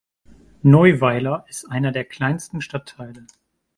Neuweiler ist einer der kleinsten Stadtteile.